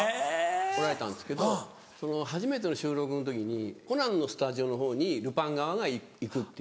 おられたんですけどその初めての収録の時に『コナン』のスタジオのほうに『ルパン』側が行くっていう。